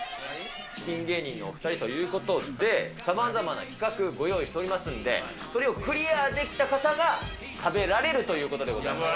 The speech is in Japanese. チキン芸人の２人ということで、さまざまな企画、ご用意しておりますんで、それをクリアできた方が食べられるということでございます。